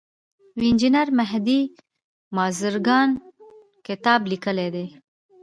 انجینیر مهدي بازرګان کتاب لیکلی دی.